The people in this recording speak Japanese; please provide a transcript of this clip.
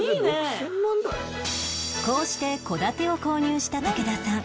こうして戸建てを購入した武田さん